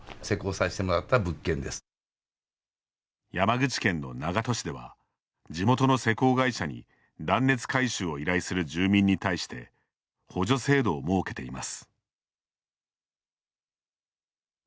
山口県の長門市では地元の施工会社に断熱改修を依頼する住民に対して補助制度を設けています。